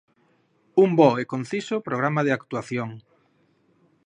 Un bo e conciso programa de actuación.